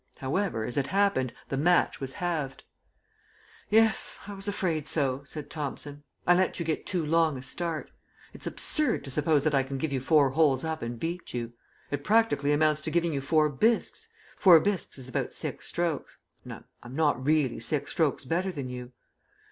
However, as it happened, the match was halved. "Yes, I was afraid so," said Thomson; "I let you get too long a start. It's absurd to suppose that I can give you four holes up and beat you. It practically amounts to giving you four bisques. Four bisques is about six strokes I'm not really six strokes better than you."